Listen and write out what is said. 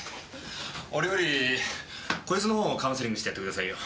俺よりこいつの方カウンセリングしてやってくださいよ。